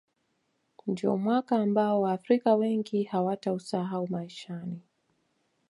ndiyo mwaka ambao waafrika wengi hawatausahau maishani